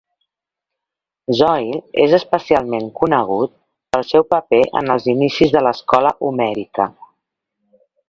Zoil és especialment conegut pel seu paper en els inicis de l'escola homèrica.